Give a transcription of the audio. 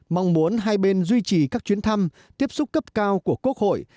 mong muốn hai bên duy trì các chuyến thăm tiếp xúc cấp cao của quốc hội